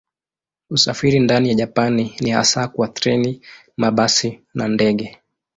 Usafiri ndani ya Japani ni hasa kwa treni, mabasi na ndege.